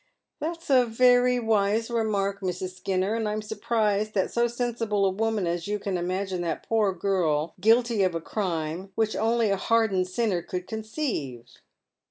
" That's a very wise remark, Mrs. Skinner, and I'm surprised til at so sensible a woman ae you can imagine that poor girl guilty of a crime which only a liardened sinner could conceive."